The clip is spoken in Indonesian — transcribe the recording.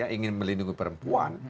ingin melindungi perempuan